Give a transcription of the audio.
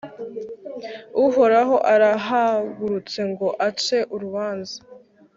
uhoraho arahagurutse ngo ace urubanza